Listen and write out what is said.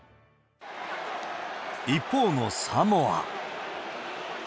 一方のサモア。